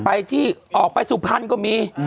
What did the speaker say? ไปที่ออกไปสุพรรณก็มี